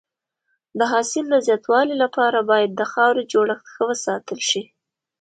د حاصل د زیاتوالي لپاره باید د خاورې جوړښت ښه وساتل شي.